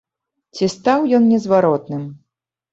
Ці стаў ён незваротным?